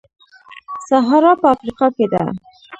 سهارا په افریقا کې ده.